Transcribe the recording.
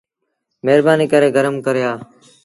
مهربآنيٚ ڪري گرم ڪري آ۔